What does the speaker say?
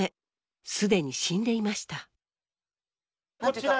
既に死んでいました。